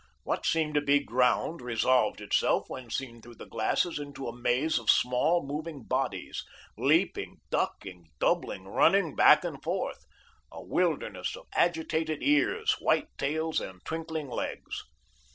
What seemed to be ground resolved itself, when seen through the glasses, into a maze of small, moving bodies, leaping, ducking, doubling, running back and forth a wilderness of agitated ears, white tails and twinkling legs.